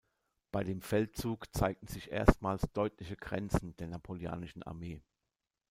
Bei dem Feldzug zeigten sich erstmals deutliche Grenzen der napoleonischen Armee.